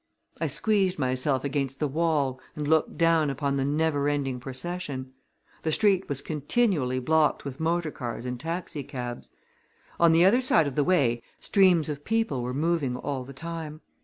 I squeezed myself against the wall and looked down upon the never ending procession. The street was continually blocked with motor cars and taxicabs. On the other side of the way streams of people were moving all the time.